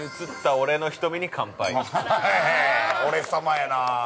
◆俺様やな。